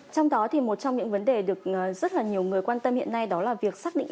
trong đó thì một trong những vấn đề được rất là nhiều người quan tâm hiện nay đó là việc xác định